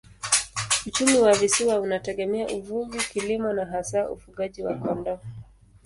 Uchumi wa visiwa unategemea uvuvi, kilimo na hasa ufugaji wa kondoo.